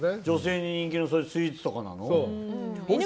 女性に人気のスイーツとかなの？